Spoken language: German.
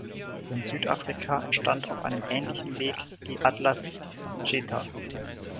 In Südafrika entstand auf einem ähnlichen Weg die Atlas Cheetah.